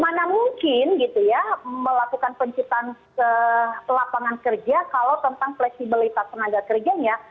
mana mungkin gitu ya melakukan penciptaan lapangan kerja kalau tentang fleksibilitas tenaga kerjanya